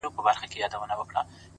بس ژونده همدغه دی” خو عیاسي وکړه”